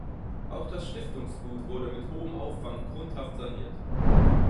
Auch das Stiftungsgut wurde mit hohem Aufwand grundhaft saniert.